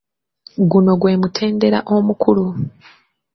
Guno gwe mutendera omukulu.